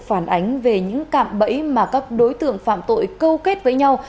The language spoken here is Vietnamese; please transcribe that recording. phản ánh về những cạm bẫy mà các đối tượng phạm tội câu kết với nhau